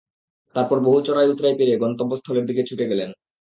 তারপর বহু চড়াই-উতরাই পেরিয়ে গন্তব্যস্থলের দিকে ছুটে চললেন।